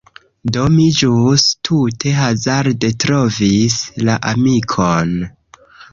Do, mi ĵus tute hazarde trovis la amikon...